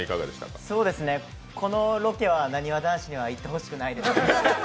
このロケは、なにわ男子には行ってほしくないですね。